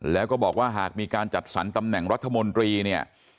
แล้วก็บอกว่าหากมีการจัดสรรตำแหน่งรัฐมนตรีเนี่ย